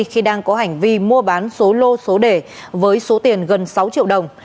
khi đang có hành vi mua bán số lô số đề với số tiền gần sáu triệu đồng